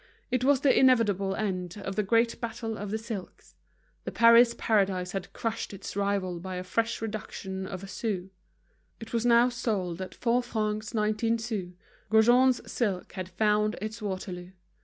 It was the inevitable end of the great battle of the silks; the Paris Paradise had crushed its rival by a fresh reduction of a sou; it was now sold at four francs nineteen sous, Gaujean's silk had found its Waterloo.